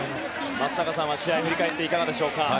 松坂さんは試合を振り返っていかがでしょうか。